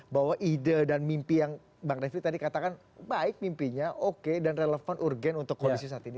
bahwa ide dan mimpi yang bang refli tadi katakan baik mimpinya oke dan relevan urgen untuk kondisi saat ini